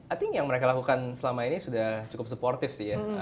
i think yang mereka lakukan selama ini sudah cukup supportive sih ya